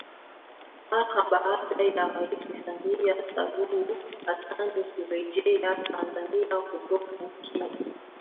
Mara baada ya Rais Samia Suluhu Hassan kurejea Tanzania kutoka Kenya